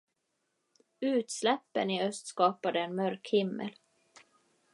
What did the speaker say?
Utsläppen i öst skapade en mörk himmel.